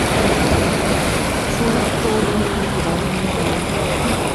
স্বরূপত অগ্নি জিনিষটি ভালও নয়, মন্দও নয়।